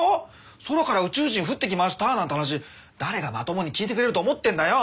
「空から宇宙人降ってきました」なんて話誰がまともに聞いてくれると思ってんだよ。